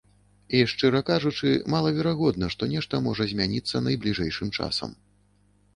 І, шчыра кажучы, малаверагодна, што нешта можа змяніцца найбліжэйшым часам.